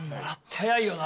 早いよな。